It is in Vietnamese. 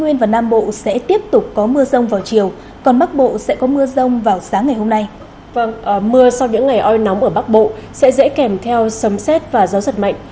mưa sau những ngày oi nóng ở bắc bộ sẽ dễ kèm theo sấm xét và gió giật mạnh